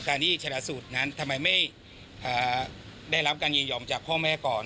การที่ชนะสูตรนั้นทำไมไม่ได้รับการยินยอมจากพ่อแม่ก่อน